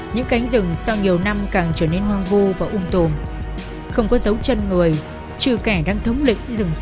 những cánh rừng đều không có thông tin